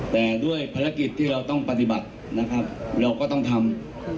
แต่ด้วยภารกิจที่เราต้องปฏิบัตินะครับเราก็ต้องทำ